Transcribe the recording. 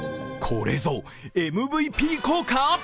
これぞＭＶＰ効果！？